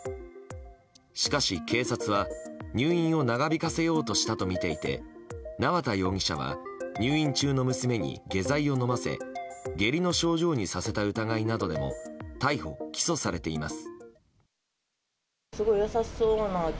しかし、警察は入院を長引かせようとしたとみていて縄田容疑者は入院中の娘に下剤を飲ませ下痢の症状にさせた疑いなどでも逮捕・起訴されています。